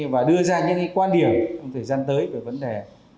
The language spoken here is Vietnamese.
và đưa ra những quan điểm trong thời gian tới về vấn đề